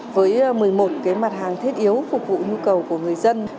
với một mươi một mặt hàng thiết yếu phục vụ nhu cầu của người dân